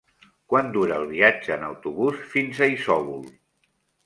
Quant dura el viatge en autobús fins a Isòvol?